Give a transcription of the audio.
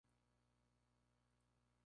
Habita en Tenasserim, Corea, Birmania y India.